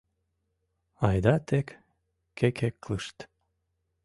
Айда тек кекеклышт...